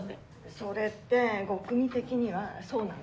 ・それってゴクミ的にはそうなの？